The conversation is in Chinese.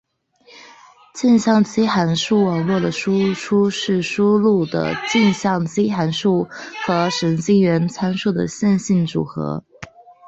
径向基函数网络的输出是输入的径向基函数和神经元参数的线性组合。